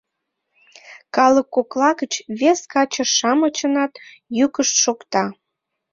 Калык кокла гыч вес каче-шамычынат йӱкышт шокта.